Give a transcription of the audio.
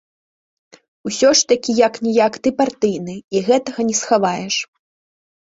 Усё ж такі як-ніяк ты партыйны і гэтага не схаваеш.